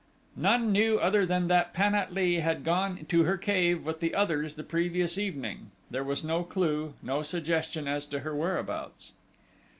None knew other than that Pan at lee had gone to her cave with the others the previous evening there was no clew, no suggestion as to her whereabouts.